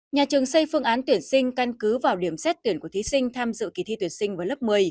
nhà trường xây phương án tuyển sinh căn cứ vào điểm xét tuyển của thí sinh tham dự kỳ thi tuyển sinh vào lớp một mươi